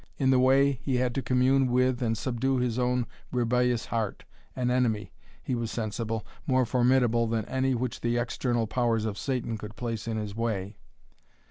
In the way, he had to commune with and subdue his own rebellious heart, an enemy, he was sensible, more formidable than any which the external powers of Satan could place in his way.